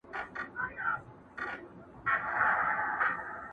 بل موږك سو د جرگې منځته ور وړاندي!!